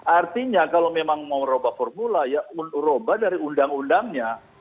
artinya kalau memang mau merubah formula ya merubah dari undang undangnya